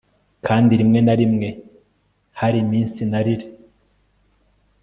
kandi rimwe na rimwe hari iminsi narira